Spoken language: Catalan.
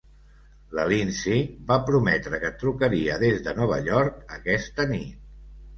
La Lindsey va prometre que et trucaria des de Nova York aquesta nit.